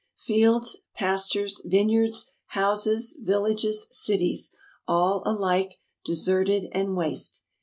Fields, pastures, vineyards, houses, villages, cities — all alike deserted and waste.